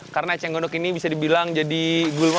karena eceng gondok ini bisa dibilang jadi gulma